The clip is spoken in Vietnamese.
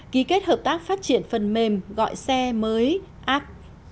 ký kết hợp tác phát triển phần mềm gọi xe mới app